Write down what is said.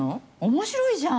面白いじゃん。